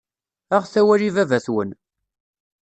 Aɣet awal i baba-twen.